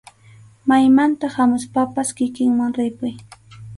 Maymanta hamuspapas kikinman ripuy.